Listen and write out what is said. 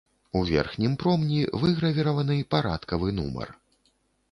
У верхнім промні выгравіраваны парадкавы нумар.